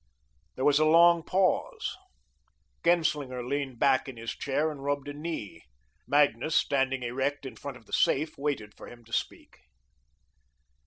There was a long pause. Genslinger leaned back in his chair and rubbed a knee. Magnus, standing erect in front of the safe, waited for him to speak.